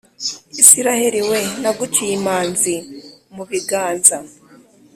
isiraheli we naguciye imanzi mu biganza